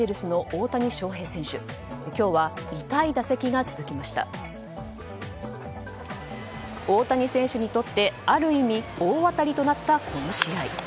大谷選手にとって、ある意味大当たりとなったこの試合。